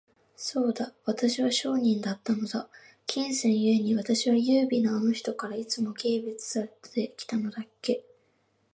そうだ、私は商人だったのだ。金銭ゆえに、私は優美なあの人から、いつも軽蔑されて来たのだっけ。